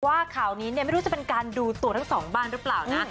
ข่าวนี้เนี่ยไม่รู้จะเป็นการดูตัวทั้งสองบ้านหรือเปล่านะ